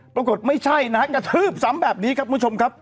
ปรากฏไม่ใช่นะฮะกระทืบซ้ำแบบนี้ครับคุณผู้ชมครับ